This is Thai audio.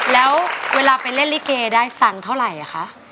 แล้วเวลาไปเล่นลิเกได้สตังค์เท่าไหร่คะ